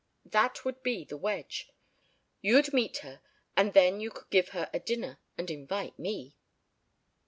That would be the wedge. You'd meet her and then you could give her a dinner and invite me."